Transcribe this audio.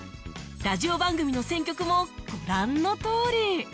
ラジオ番組の選曲もご覧のとおり